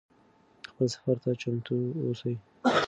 خپل سفر ته چمتو اوسئ.